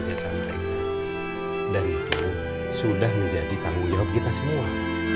jasa dan sudah menjadi tanggung jawab kita semua